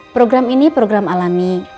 program ini program alami